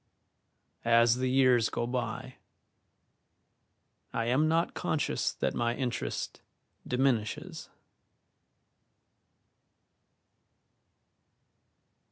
As the years go by, I am not conscious that my interest diminishes.